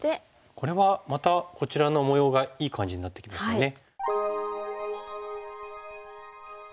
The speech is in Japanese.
これはまたこちらの模様がいい感じになってきましたね。